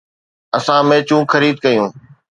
اسان ميچون خريد ڪيون.